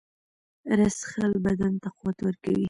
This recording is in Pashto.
رس څښل بدن ته قوت ورکوي